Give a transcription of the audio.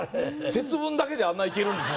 節分だけであんないけるんですもんね